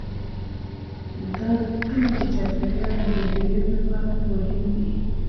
دا کلي د چاپیریال د مدیریت لپاره مهم دي.